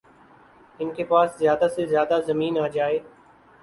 ان کے پاس زیادہ سے زیادہ زمین آجائے